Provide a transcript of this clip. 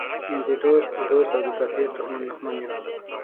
د دوست دوست او د کافر دښمن دښمن یو.